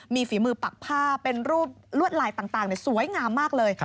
มีฝีมือปักผ้าเป็นรูปลวดลายต่างสวยงามมากเลย